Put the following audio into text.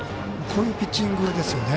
こういうピッチングですよね。